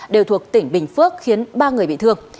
đều thuộc tỉnh bình phước khiến ba người bị thương